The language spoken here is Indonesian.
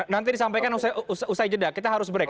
nanti disampaikan usai jeda kita harus break